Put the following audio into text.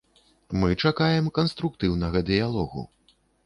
Мы чакаем канструктыўнага дыялогу.